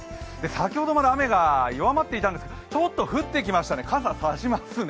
先ほどまで雨が弱まっていたんですがちょっと降ってきましたね、傘を差しますね。